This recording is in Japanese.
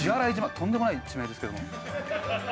とんでもない地名ですけども。